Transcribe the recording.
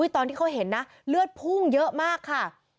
ตอนที่เขาเห็นนะเลือดพุ่งเยอะมากค่ะ